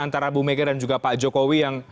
antara bu mega dan juga pak jokowi yang